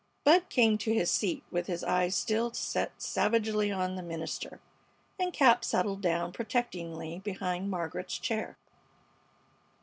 Bud came to his seat with his eyes still set savagely on the minister, and Cap settled down protectingly behind Margaret's chair.